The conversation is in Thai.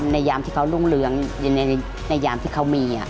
ยามที่เขารุ่งเรืองในยามที่เขามี